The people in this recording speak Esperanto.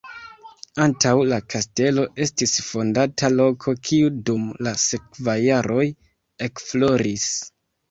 Antaŭ la kastelo estis fondata loko, kiu dum la sekvaj jaroj ekfloris.